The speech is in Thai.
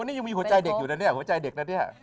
นี่ยังมีหัวใจเด็กอยู่นะเนี่ยหัวใจเด็กนะเนี่ย